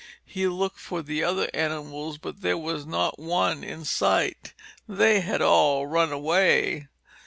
He looked for the other animals but there was not one in sight. They had all run away.